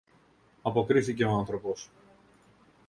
αποκρίθηκε ο άνθρωπος.